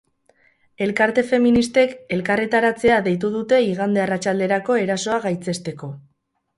Elkarte feministek elkarretaratzea deitu dute igande arratsalderako erasoa gaitzesteko.